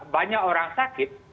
banyak orang sakit